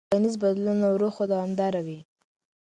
ټولنیز بدلونونه ورو خو دوامداره وي.